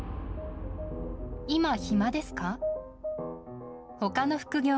今、暇ですか。